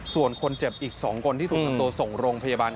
ส่วนคนเจ็บอีก๒คนที่ถูกนำตัวส่งโรงพยาบาล